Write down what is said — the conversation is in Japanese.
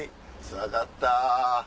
つらかった。